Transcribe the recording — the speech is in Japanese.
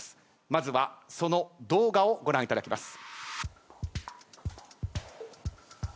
まずはその動画をご覧いただきます。